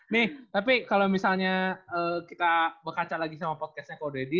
nih tapi kalau misalnya kita berkancak lagi sama podcastnya code ready